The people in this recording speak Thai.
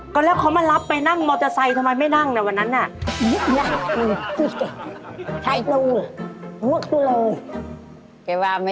ก่อนแรกเขามารับไปนั่งมอเตอร์ไซส์ทำไมไม่นั่งแต่วันนั้น